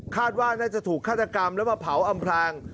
ว่าน่าจะถูกฆาตกรรมแล้วมาเผาอำพลาง